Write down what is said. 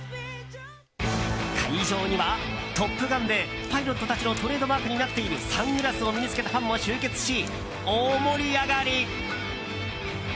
会場には、「トップガン」でパイロットたちのトレードマークになっているサングラスを身に着けたファンも集結し大盛り上がり。